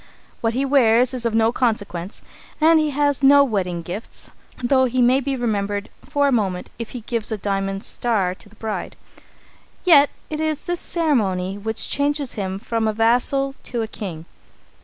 What he wears is of no consequence, and he has no wedding gifts, though he may be remembered for a moment if he gives a diamond star to the bride. Yet it is this ceremony which changes him from a vassal to a king.